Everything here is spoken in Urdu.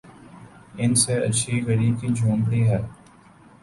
ان سے اچھی غریبِ کی جھونپڑی ہے